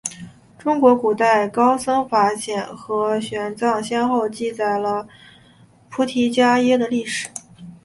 中国古代高僧法显和玄奘先后记载了菩提伽耶的历史。